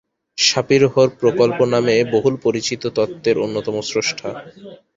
Sapir-Whorf প্রকল্প নামে বহুল পরিচিত তত্ত্বের অন্যতম স্রষ্টা।